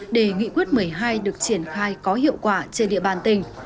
để nghị quyết một mươi hai được triển khai có hiệu quả trên địa bàn tỉnh